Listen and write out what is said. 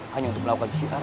hanya untuk melakukan syiar